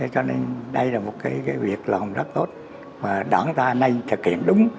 cho nên đây là một cái việc làm rất tốt và đoán ra nay thực hiện đúng